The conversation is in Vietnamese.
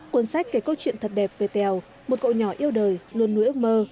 cuốn sách kể câu chuyện thật đẹp về tèo một cậu nhỏ yêu đời luôn nuôi ước mơ